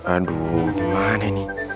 aduh gimana ini